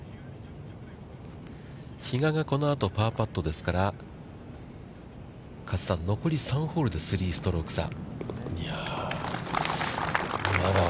比嘉がこのあとパーパットですから、加瀬さん、残り３ホールで３ストローク差。